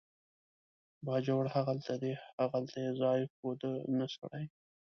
باجوړ هغلته دی، هغلته یې ځای ښوده، نه سړی.